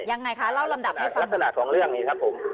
ยังไงคะเล่าลำดับให้ฟังลักษณะของเรื่องนี้ครับผม